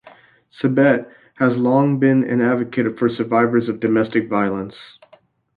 Sibbett has long been an advocate for survivors of domestic violence.